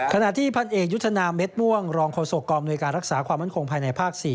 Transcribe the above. ขณะที่พันเอกยุทธนาเม็ดม่วงรองโฆษกองอำนวยการรักษาความมั่นคงภายในภาค๔